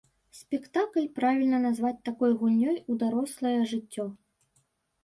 Спектакль правільна назваць такой гульнёй у дарослае жыццё.